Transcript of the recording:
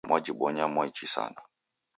Mwajibonya mwaichi sana.